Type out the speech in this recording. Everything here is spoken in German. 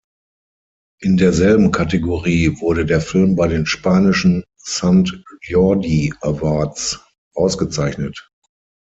In derselben Kategorie wurde der Film bei den spanischen Sant Jordi Awards ausgezeichnet.